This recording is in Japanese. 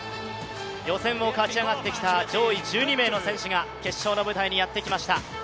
予選を勝ち上がってきた上位１２名の選手が決勝の舞台にやってきました。